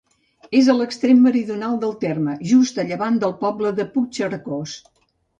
És a l'extrem meridional del terme, just a llevant del poble de Puigcercós.